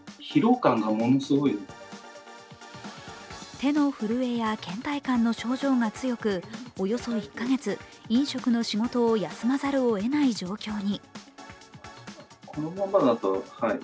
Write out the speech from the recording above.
手の震えやけん怠感の症状が強く、およそ１か月、飲食の仕事を休まざるをえない状況に。